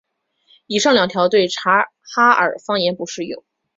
以上两条对察哈尔方言不适用。